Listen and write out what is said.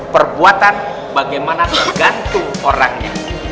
perbuatan bagaimana tergantung orangnya